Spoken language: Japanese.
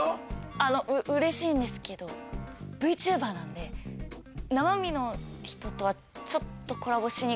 あのうれしいんですけどＶＴｕｂｅｒなんで生身の人とはちょっとコラボしにくい。